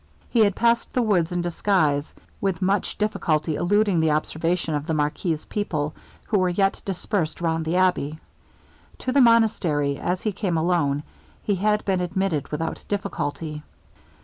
He had passed the woods in disguise, with much difficulty eluding the observation of the marquis's people, who were yet dispersed round the abbey. To the monastery, as he came alone, he had been admitted without difficulty.